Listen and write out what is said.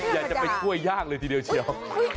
อยากจะไปช่วยย่างเลยทีเดียวเชียว